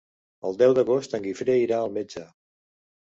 El deu d'agost en Guifré irà al metge.